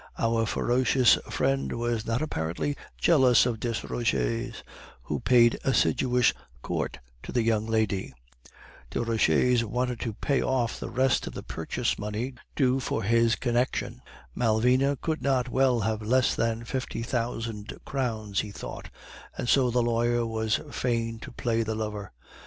Our ferocious friend was not apparently jealous of Desroches, who paid assiduous court to the young lady; Desroches wanted to pay off the rest of the purchase money due for his connection; Malvina could not well have less than fifty thousand crowns, he thought, and so the lawyer was fain to play the lover.